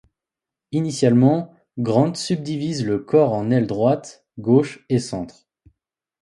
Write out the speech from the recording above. Initialement Grant subdivise le corps en ailes droite, gauche et centre.